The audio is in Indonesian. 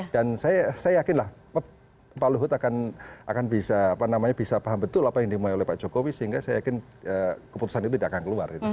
dan saya yakin lah pak luhut akan bisa paham betul apa yang dimulai oleh pak jokowi sehingga saya yakin keputusan itu tidak akan keluar